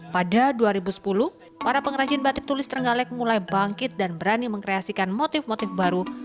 pada dua ribu sepuluh para pengrajin batik tulis terenggalek mulai bangkit dan berani mengkreasikan motif motif baru